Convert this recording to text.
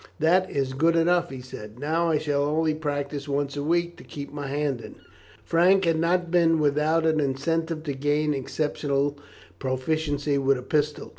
"That is good enough," he said; "now I shall only practise once a week, to keep my hand in." Frank had not been without an incentive to gain exceptional proficiency with a pistol.